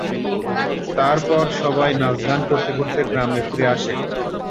তারপর সবাই নাচ গান করতে করতে গ্রামে ফিরে আসে।